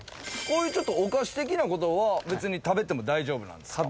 こういうお菓子的なことは別に食べても大丈夫なんですか？